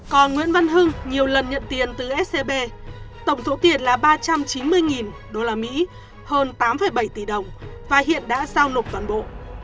còn nguyễn văn hưng nhiều lần nhận tiền từ scb tổng số tiền là ba trăm chín mươi usd hơn tám bảy tỷ đồng và hiện đã giao nộp toàn bộ